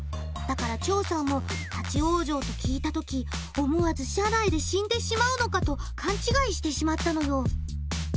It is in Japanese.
だから趙さんも「立往生」と聞いた時思わず車内で死んでしまうのかと勘違いしてしまったのよ。